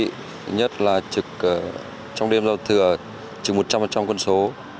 thứ nhất là trực trong đêm giao thừa trực một trăm linh quân số